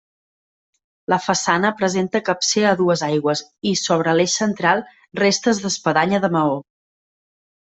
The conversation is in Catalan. La façana presenta capcer a dues aigües, i sobre l'eix central, restes d'espadanya de maó.